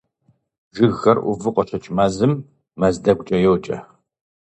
Жыгхэр Ӏуву къыщыкӀ мэзым мэз дэгукӏэ йоджэ.